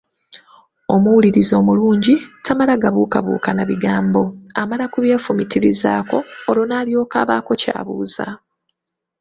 Omuwuliriza omulungi tamala gabuubuuka na bigambo, amala kubyefumiitirizaako olwo n’alyoka abaako ky’abuuza.